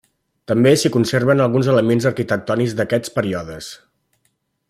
També s'hi conserven alguns elements arquitectònics d'aquests períodes.